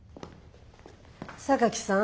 榊さん。